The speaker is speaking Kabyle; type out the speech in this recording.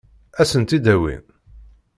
Ad sen-tt-id-awin?